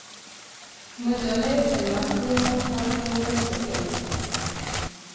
مجاهد د محرومو خلکو مرسته کوي.